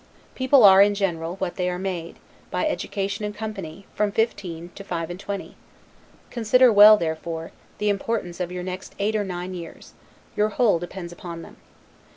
People are, in general, what they are made, by education and company, from fifteen to five and twenty; consider well, therefore, the importance of your next eight or nine years; your whole depends upon them.